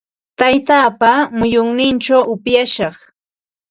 Taytaapa muyunninchaw upyashaq.